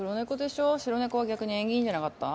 白猫は逆に縁起いいんじゃなかった？